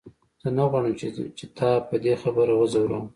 زه نه غواړم چې تا په دې خبره وځوروم.